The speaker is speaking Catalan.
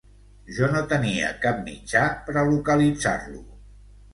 Jo no tenia cap mitjà per a localitzar-lo.